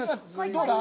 どうだ？